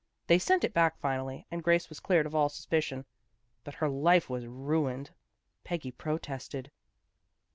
They sent it back finally, and Grace was cleared of all suspicion, but her life was ruined." Peggy protested.